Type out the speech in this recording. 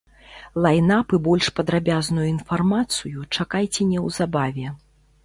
Лайн-ап і больш падрабязную інфармацыю чакайце неўзабаве.